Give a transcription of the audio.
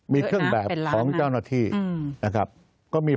มีเครื่องแบบของเจ้าหน้าที่